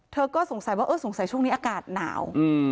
เธอก็สงสัยว่าเออสงสัยช่วงนี้อากาศหนาว